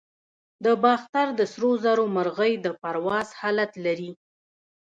د باختر د سرو زرو مرغۍ د پرواز حالت لري